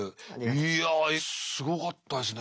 いやすごかったですね